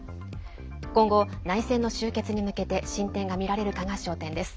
今後、内戦の終結に向けて進展がみられるかが焦点です。